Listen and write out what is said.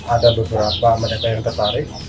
ada beberapa mereka yang tertarik